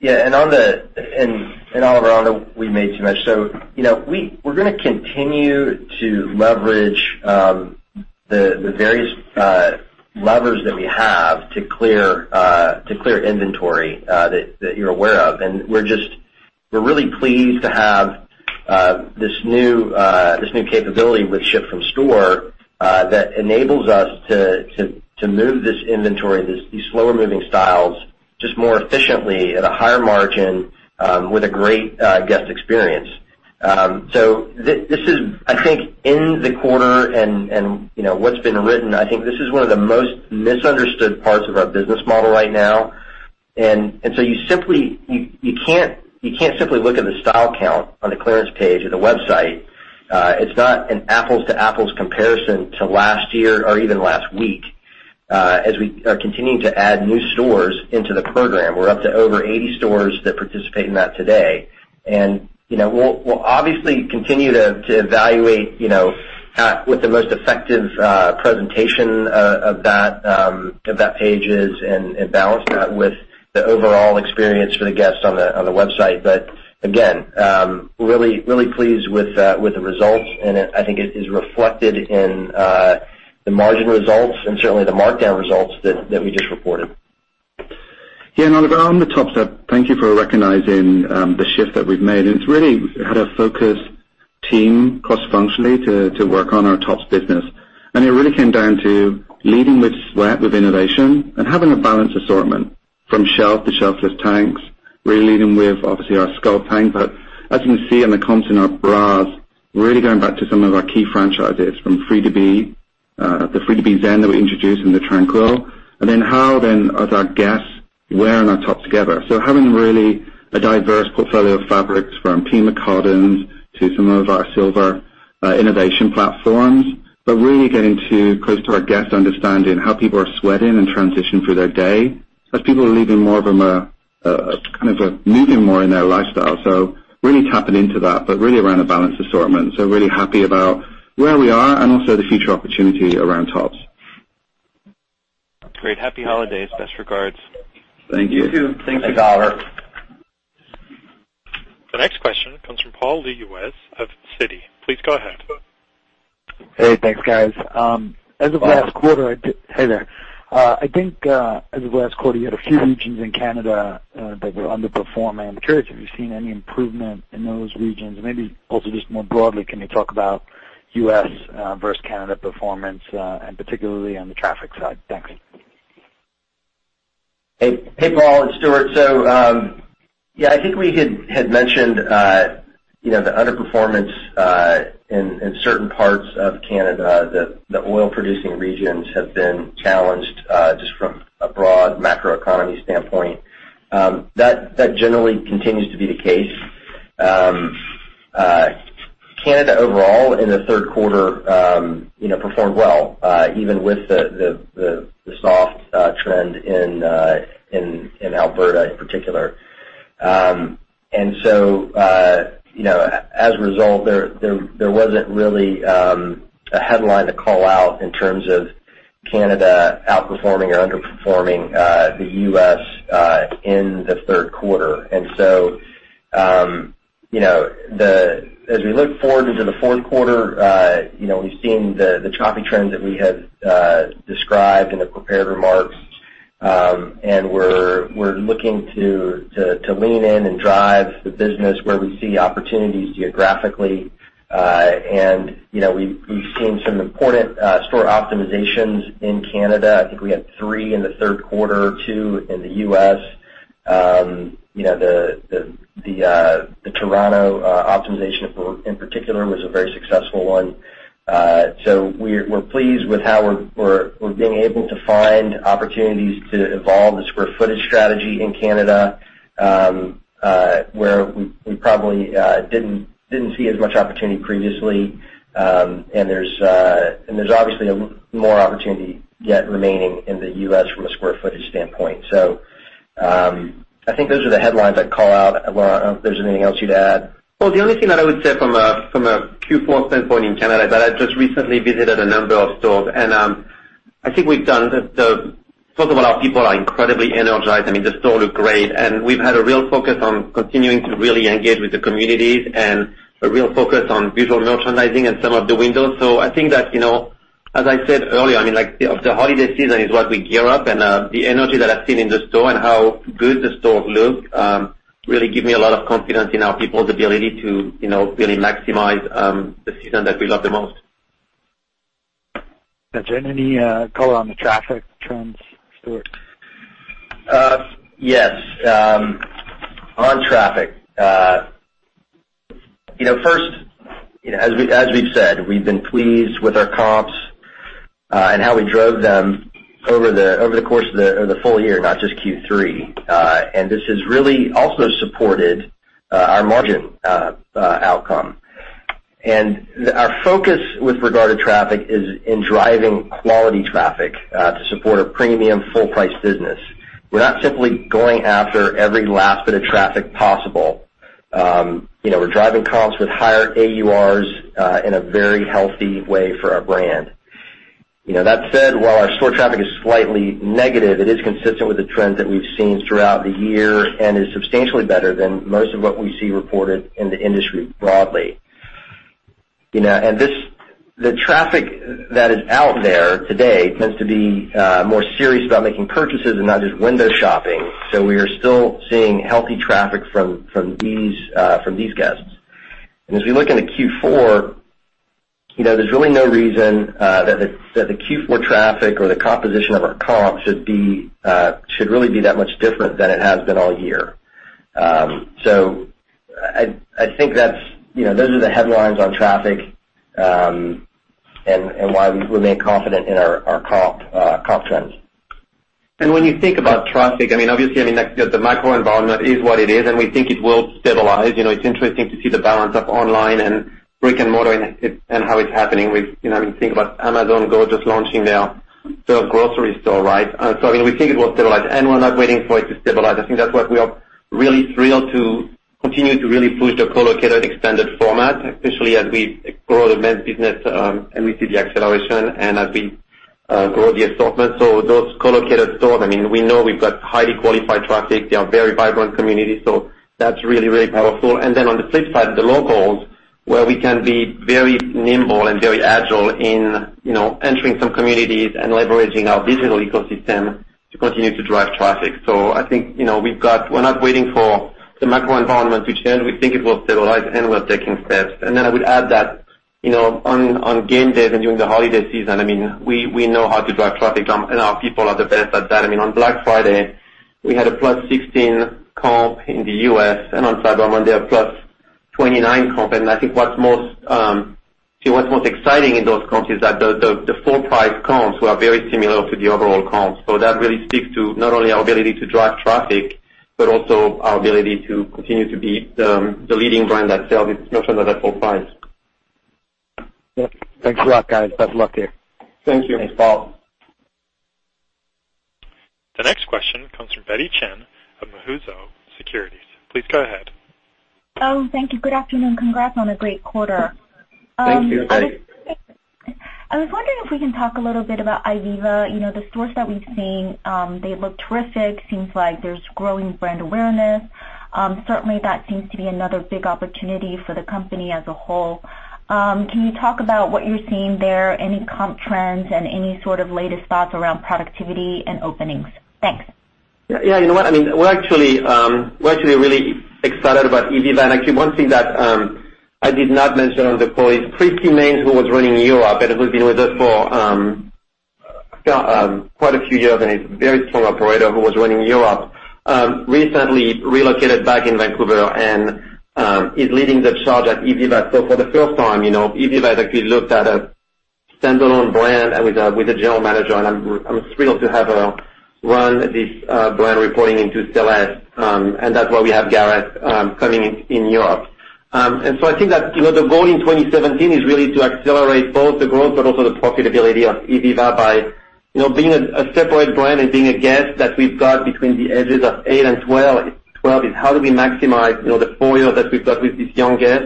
[SPEAKER 4] Yeah. Oliver, on the We Made Too Much. We're going to continue to leverage the various levers that we have to clear inventory that you're aware of. We're really pleased to have this new capability with Ship from Store that enables us to move this inventory, these slower moving styles, just more efficiently at a higher margin, with a great guest experience. This is, I think, in the quarter and what's been written, I think this is one of the most misunderstood parts of our business model right now. You can't simply look at the style count on the clearance page of the website. It's not an apples-to-apples comparison to last year or even last week. As we are continuing to add new stores into the program, we're up to over 80 stores that participate in that today. We'll obviously continue to evaluate with the most effective presentation of that page is and balance that with the overall experience for the guests on the website. Again, really pleased with the results, I think it is reflected in the margin results and certainly the markdown results that we just reported.
[SPEAKER 7] Yeah. Oliver, on the tops side, thank you for recognizing the shift that we've made. It's really had a focused team cross-functionally to work on our tops business. It really came down to leading with sweat, with innovation, and having a balanced assortment from shelf to shelf with tanks. Really leading with, obviously, our Swiftly tank, but as you can see on the comps in our bras, really going back to some of our key franchises, from the Free to Be Zen that we introduced and the Tranquil. How then as our guests wear in our top together. Having really a diverse portfolio of fabrics from Pima cotton to some of our silver innovation platforms. Really getting to close to our guests, understanding how people are sweating and transition through their day, as people are leading more of a kind of moving more in their lifestyle. Really tapping into that, but really around a balanced assortment. Really happy about where we are and also the future opportunity around tops.
[SPEAKER 8] Great. Happy holidays. Best regards.
[SPEAKER 7] Thank you.
[SPEAKER 4] You too. Thanks Oliver.
[SPEAKER 1] The next question comes from Paul Lejuez of Citi. Please go ahead.
[SPEAKER 9] Hey, thanks, guys. As of last quarter-
[SPEAKER 7] Paul.
[SPEAKER 9] Hey there. I think as of last quarter, you had a few regions in Canada that were underperforming. I am curious if you have seen any improvement in those regions, maybe also just more broadly, can you talk about U.S. versus Canada performance, and particularly on the traffic side? Thanks.
[SPEAKER 4] Hey, Paul, it's Stuart. Yeah, I think we had mentioned the underperformance in certain parts of Canada. The oil-producing regions have been challenged, just from a broad macroeconomy standpoint. That generally continues to be the case. Canada overall in the third quarter performed well, even with the soft trend in Alberta in particular. As a result, there wasn't really a headline to call out in terms of Canada outperforming or underperforming the U.S. in the third quarter. As we look forward into the fourth quarter, we've seen the choppy trends that we had described in the prepared remarks. We're looking to lean in and drive the business where we see opportunities geographically. We've seen some important store optimizations in Canada. I think we had three in the third quarter, two in the U.S. The Toronto optimization in particular was a very successful one. We're pleased with how we're being able to find opportunities to evolve the square footage strategy in Canada, where we probably didn't see as much opportunity previously. There's obviously more opportunity yet remaining in the U.S. from a square footage standpoint. I think those are the headlines I'd call out. Laurent, I don't know if there's anything else you'd add.
[SPEAKER 3] The only thing that I would say from a Q4 standpoint in Canada, is that I just recently visited a number of stores, I think we've done first of all, our people are incredibly energized. The stores look great, we've had a real focus on continuing to really engage with the communities and a real focus on visual merchandising and some of the windows. I think that, as I said earlier, the holiday season is what we gear up, the energy that I've seen in the store and how good the stores look really give me a lot of confidence in our people's ability to really maximize the season that we love the most.
[SPEAKER 9] Got you. Any color on the traffic trends, Stuart?
[SPEAKER 4] Yes. On traffic. First, as we've said, we've been pleased with our comps, and how we drove them over the course of the full year, not just Q3. This has really also supported our margin outcome. Our focus with regard to traffic is in driving quality traffic to support a premium full-price business. We're not simply going after every last bit of traffic possible. We're driving comps with higher AURs in a very healthy way for our brand. That said, while our store traffic is slightly negative, it is consistent with the trends that we've seen throughout the year and is substantially better than most of what we see reported in the industry broadly. The traffic that is out there today tends to be more serious about making purchases and not just window shopping, so we are still seeing healthy traffic from these guests. As we look into Q4, there's really no reason that the Q4 traffic or the composition of our comp should really be that much different than it has been all year. I think those are the headlines on traffic and why we remain confident in our comp trends.
[SPEAKER 3] When you think about traffic, obviously, the macro environment is what it is, and we think it will stabilize. It's interesting to see the balance of online and brick-and-mortar and how it's happening with. When you think about Amazon Go just launching their grocery store. We think it will stabilize, and we're not waiting for it to stabilize. I think that's why we are really thrilled to continue to really push the co-located extended format, especially as we grow the men's business and we see the acceleration and as we grow the assortment. Those co-located stores, we know we've got highly qualified traffic. They are very vibrant communities. That's really, really powerful. Then on the flip side, the locals, where we can be very nimble and very agile in entering some communities and leveraging our digital ecosystem to continue to drive traffic. I think we're not waiting for the macro environment to change. We think it will stabilize, and we're taking steps. Then I would add that on game days and during the holiday season, we know how to drive traffic, and our people are the best at that. On Black Friday, we had a +16 comp in the U.S., and on Cyber Monday, a +29 comp. I think what's most exciting in those comps is that the full price comps were very similar to the overall comps. That really speaks to not only our ability to drive traffic, but also our ability to continue to be the leading brand that sells its merchandise at full price.
[SPEAKER 9] Thanks a lot, guys. Best of luck to you.
[SPEAKER 3] Thank you.
[SPEAKER 4] Thanks, Paul.
[SPEAKER 1] The next question comes from Betty Chen of Mizuho Securities. Please go ahead.
[SPEAKER 10] Thank you. Good afternoon. Congrats on a great quarter.
[SPEAKER 3] Thank you, Betty.
[SPEAKER 10] I was wondering if we can talk a little bit about ivivva. The stores that we've seen, they look terrific. Seems like there's growing brand awareness. Certainly, that seems to be another big opportunity for the company as a whole. Can you talk about what you're seeing there, any comp trends, and any sort of latest thoughts around productivity and openings? Thanks.
[SPEAKER 3] Yeah. You know what? We're actually really excited about ivivva. Actually, one thing that I did not mention on the call is Christie Main, who was running Europe, and who's been with us for quite a few years, and a very strong operator who was running Europe, recently relocated back in Vancouver and is leading the charge at ivivva. For the first time, ivivva is actually looked at as a standalone brand with a General Manager, and I'm thrilled to have her run this brand reporting into Stella. That's why we have Gareth coming in Europe. I think that the goal in 2017 is really to accelerate both the growth but also the profitability of ivivva by being a separate brand and being a guest that we've got between the ages of eight and 12, is how do we maximize the four years that we've got with this young guest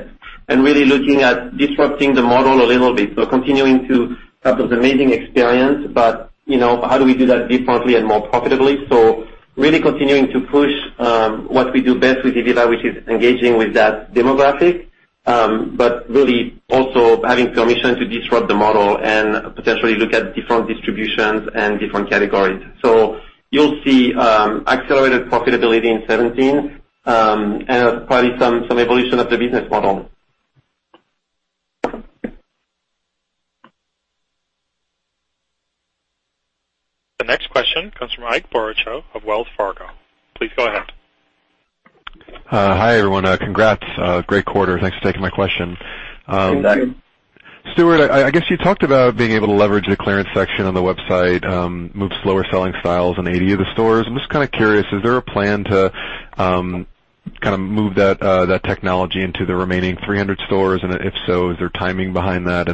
[SPEAKER 3] and really looking at disrupting the model a little bit. Continuing to have those amazing experience, but how do we do that differently and more profitably? Really continuing to push what we do best with ivivva, which is engaging with that demographic, but really also having permission to disrupt the model and potentially look at different distributions and different categories. You'll see accelerated profitability in 2017, and probably some evolution of the business model.
[SPEAKER 1] The next question comes from Ike Boruchow of Wells Fargo. Please go ahead.
[SPEAKER 11] Hi, everyone. Congrats. Great quarter. Thanks for taking my question.
[SPEAKER 3] Thanks, Ike.
[SPEAKER 11] Stuart, I guess you talked about being able to leverage the clearance section on the website, move slower selling styles in 80 of the stores. I'm just kind of curious, is there a plan to move that technology into the remaining 300 stores? If so, is there timing behind that?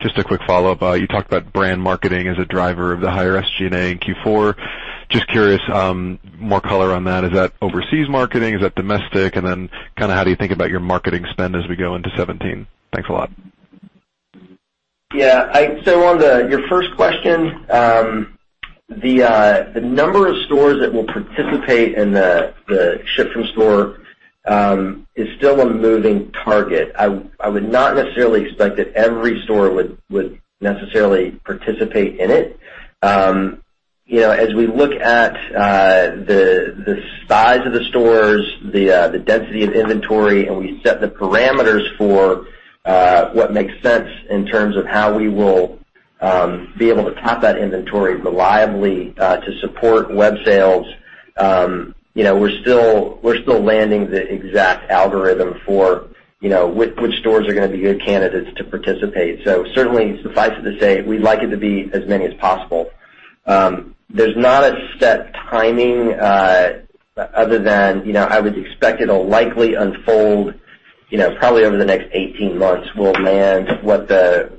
[SPEAKER 11] Just a quick follow-up. You talked about brand marketing as a driver of the higher SG&A in Q4. Just curious, more color on that. Is that overseas marketing? Is that domestic? How do you think about your marketing spend as we go into 2017? Thanks a lot.
[SPEAKER 4] On your first question, the number of stores that will participate in the Ship from Store is still a moving target. I would not necessarily expect that every store would necessarily participate in it. As we look at the size of the stores, the density of inventory, and we set the parameters for what makes sense in terms of how we will be able to tap that inventory reliably to support web sales, we're still landing the exact algorithm for which stores are going to be good candidates to participate. Certainly, suffice it to say, we'd like it to be as many as possible. There's not a set timing other than, I would expect it'll likely unfold probably over the next 18 months. We'll land what the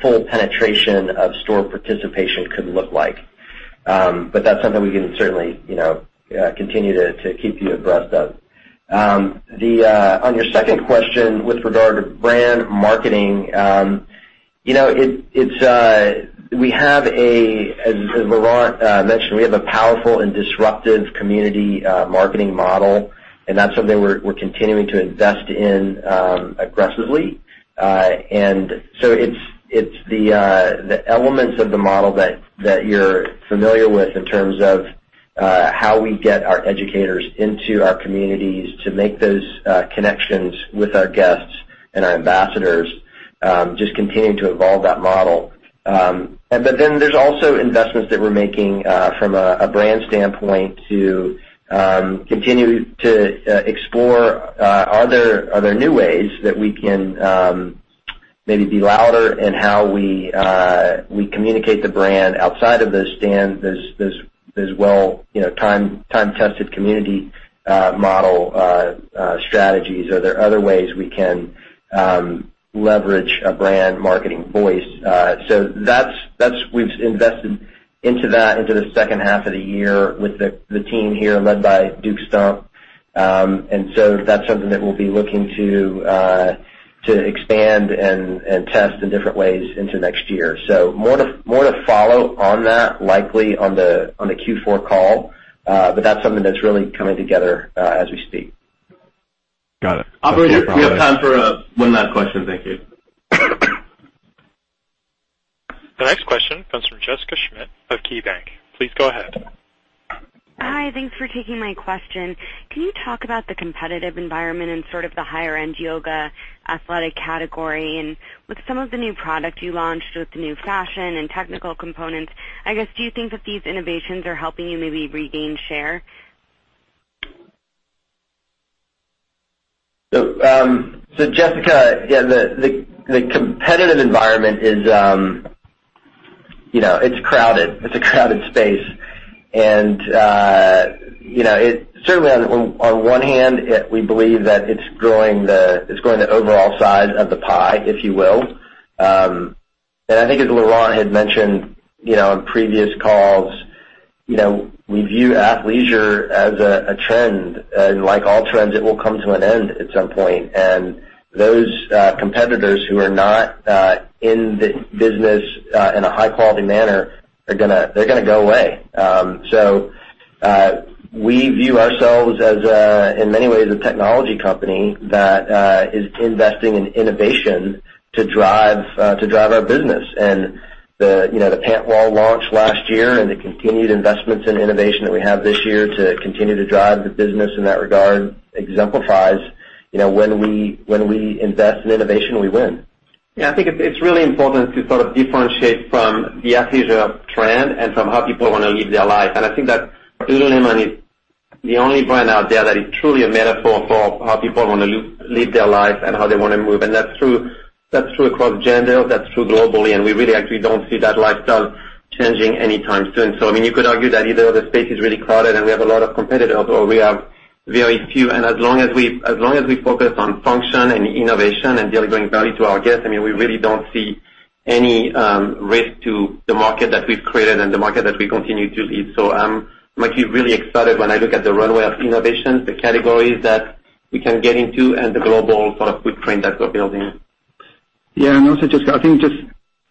[SPEAKER 4] full penetration of store participation could look like. That's something we can certainly continue to keep you abreast of. On your second question with regard to brand marketing, as Laurent mentioned, we have a powerful and disruptive community marketing model, that's something we're continuing to invest in aggressively. It's the elements of the model that you're familiar with in terms of how we get our educators into our communities to make those connections with our guests and our ambassadors, just continuing to evolve that model. There's also investments that we're making from a brand standpoint to continue to explore, are there new ways that we can maybe be louder in how we communicate the brand outside of the stand, this well time-tested community model strategies? Are there other ways we can leverage a brand marketing voice? We've invested into that into the second half of the year with the team here led by Duke Stump. That's something that we'll be looking to expand and test in different ways into next year. More to follow on that, likely on the Q4 call. That's something that's really coming together as we speak.
[SPEAKER 11] Got it.
[SPEAKER 2] Operator, we have time for one last question. Thank you.
[SPEAKER 1] The next question comes from Jessica Schmidt of KeyBanc. Please go ahead.
[SPEAKER 12] Hi. Thanks for taking my question. Can you talk about the competitive environment in sort of the higher-end yoga athletic category? With some of the new product you launched, with the new fashion and technical components, I guess, do you think that these innovations are helping you maybe regain share?
[SPEAKER 4] Jessica, the competitive environment is crowded. It's a crowded space. Certainly on one hand, we believe that it's growing the overall size of the pie, if you will. I think as Laurent had mentioned in previous calls, we view athleisure as a trend, and like all trends, it will come to an end at some point. Those competitors who are not in the business in a high-quality manner, they're gonna go away. We view ourselves as in many ways, a technology company that is investing in innovation to drive our business. The pant wall launch last year and the continued investments in innovation that we have this year to continue to drive the business in that regard exemplifies when we invest in innovation, we win.
[SPEAKER 3] I think it's really important to sort of differentiate from the athleisure trend and from how people want to live their life. I think that lululemon is the only brand out there that is truly a metaphor for how people want to live their life and how they want to move, and that's true across gender, that's true globally, and we really actually don't see that lifestyle changing anytime soon. I mean, you could argue that either the space is really crowded and we have a lot of competitors, or we have very few, and as long as we focus on function and innovation and delivering value to our guests, I mean, we really don't see any risk to the market that we've created and the market that we continue to lead.
[SPEAKER 7] I'm actually really excited when I look at the runway of innovations, the categories that we can get into, and the global sort of footprint that we're building. Jessica, I think just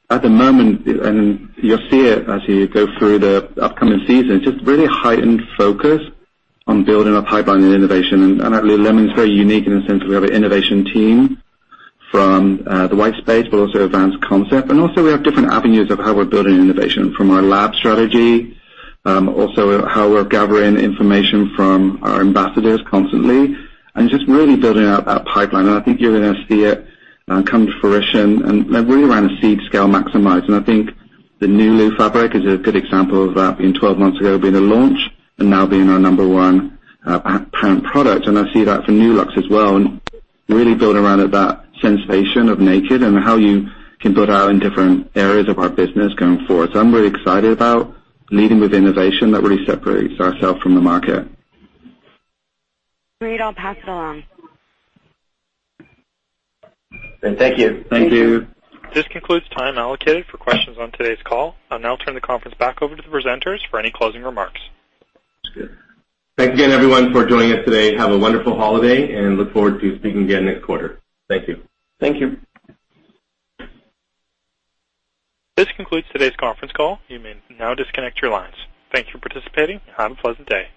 [SPEAKER 7] at the moment, and you'll see it as you go through the upcoming seasons, just really heightened focus on building a pipeline in innovation. lululemon's very unique in the sense we have an innovation team from the white space, but also advanced concept. Also we have different avenues of how we're building innovation from our lab strategy, also how we're gathering information from our ambassadors constantly and just really building out that pipeline. I think you're gonna see it come to fruition and really around a seed scale maximize. I think the Nulu fabric is a good example of that, being 12 months ago, being a launch and now being our number 1 pant product. I see that for Nulux as well, and really build around that sensation of naked and how you can build out in different areas of our business going forward. I'm really excited about leading with innovation that really separates ourselves from the market.
[SPEAKER 12] Great. I'll pass it along.
[SPEAKER 3] Thank you. Thank you.
[SPEAKER 1] This concludes time allocated for questions on today's call. I'll now turn the conference back over to the presenters for any closing remarks.
[SPEAKER 2] Thanks again, everyone, for joining us today. Have a wonderful holiday, and look forward to speaking again next quarter. Thank you.
[SPEAKER 3] Thank you.
[SPEAKER 1] This concludes today's conference call. You may now disconnect your lines. Thank you for participating, and have a pleasant day.